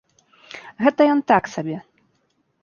Гэта ён так сабе.